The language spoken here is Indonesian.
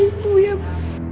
bersama ibu ya bu